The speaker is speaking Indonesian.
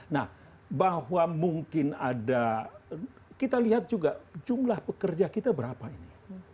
nah bahwa mungkin ada kita lihat juga jumlah pekerja kita berapa ini